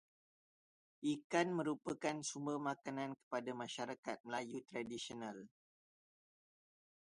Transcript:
Ikan merupakan sumber makanan kepada masyarakat Melayu tradisional.